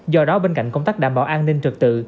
do đó bên cạnh công tác đảm bảo an ninh trật tự